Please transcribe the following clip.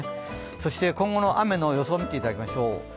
そして今後の雨の予想を見ていただきましょう。